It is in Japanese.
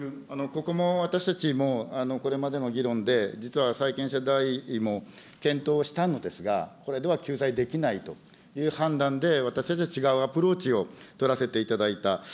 ここも私たちも、これまでの議論で、実は債権者代位も検討したのですが、これでは救済できないという判断で、私たちは違うアプローチを取らせていただいた。